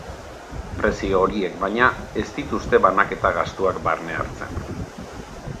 Prezio horiek, baina, ez dituzte banaketa gastuak barne hartzen.